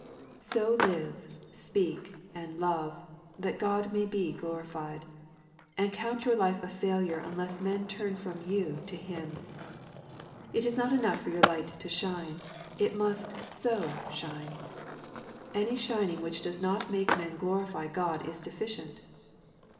So live, speak, and love, that Qod may be glorified ; and count your life a failure unless men turn from you to Him. It is not enough for your light to shine ; it must so shine. Any shining which does not make men glorify God Is deficient.